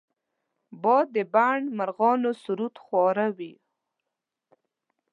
باد د بڼ مرغانو سرود خواره وي